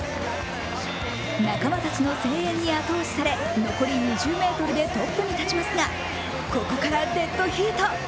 仲間たちの声援に後押しされ残り２０ｍでトップに立ちますがここからデッドヒート。